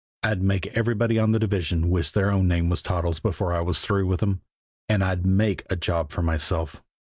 "I'd make everybody on the division wish their own name was Toddles before I was through with them, and I'd make a job for myself."